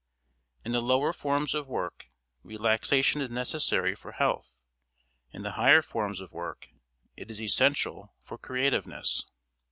In the lower forms of work relaxation is necessary for health; in the higher forms of work it is essential for creativeness.